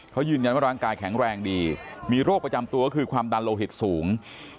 เขายืนยันว่าร่างกายแข็งแรงดีมีโรคประจำตัวคือความดันโลหิตสูง